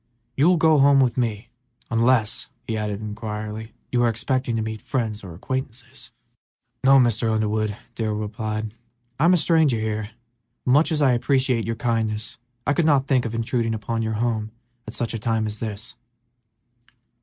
You will go home with me, unless," he added, inquiringly, "you are expecting to meet friends or acquaintances?" "No, Mr. Underwood," Darrell replied, "I am a stranger here, but, much as I appreciate your kindness, I could not think of intruding upon your home at such a time as this."